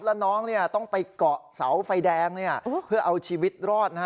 แล้วน้องต้องไปเกาะเสาไฟแดงเพื่อเอาชีวิตรอดนะฮะ